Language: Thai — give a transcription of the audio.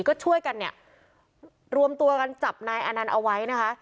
ก็ช่วยกันเนี่ยรวมตัวกันจับนายอานันต์เอาไว้นะคะ